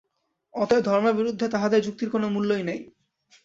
অতএব ধর্মের বিরুদ্ধে তাহদের যুক্তির কোন মূল্যই নাই।